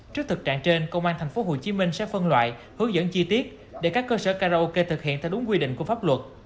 trước thực trạng trên công an tp hcm sẽ phân loại hướng dẫn chi tiết để các cơ sở karaoke thực hiện theo đúng quy định của pháp luật